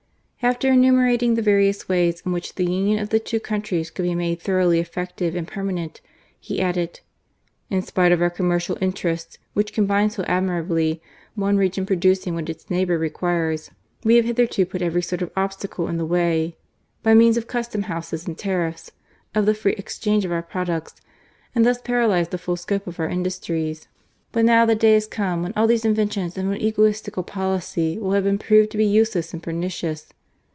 After enumerating the various ways in which the union of the two countries could be made thoroughly effective and permanent, he added :" In spite of our com mercial interests, which combine so admirably, one region producing what its neighbour requires, we have hitherto put every sort of obstacle in the way, THE ASSASSIN VITERI. 177 by means of custom houses and tariffs, of the free exchange of our products, and thus paralyzed the full scope of our industries. But now the day is come when all these inventions of an egoistical policy will have been proved to be useless and pernicious.